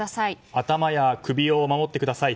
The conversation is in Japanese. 頭や首を守ってください。